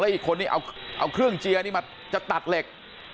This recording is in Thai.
อีกคนนี้เอาเครื่องเจียนี่มาจะตัดเหล็ก